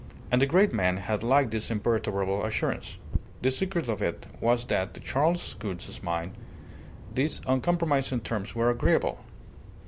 And the great man had liked this imperturbable assurance. The secret of it was that to Charles Gould's mind these uncompromising terms were agreeable.